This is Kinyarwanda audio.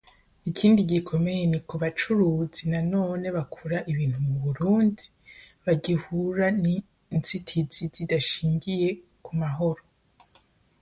Ikindi gikomeye ni ku bacuruzi na none bakura ibintu mu Burundi bagihura n’inzitizi zidashingiye ku mahoro